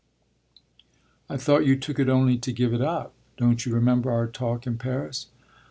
"I thought you took it only to give it up. Don't you remember our talk in Paris?"